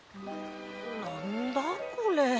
なんだこれ？